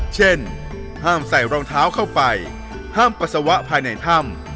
เช่นห้ามใส่รองเท้าเข้าไปห้ามปัสสาวะภายในถ้ำ